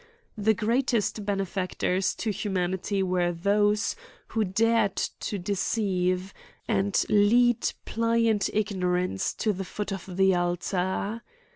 The greatest benefactors to humanity were those who dared to deceive, and lead pftint ignorance to the foot of the altar.